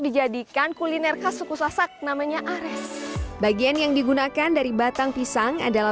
dijadikan kuliner khas suku sasak namanya ares bagian yang digunakan dari batang pisang adalah